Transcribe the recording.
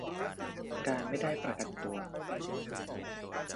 การไม่ได้ประกันตัว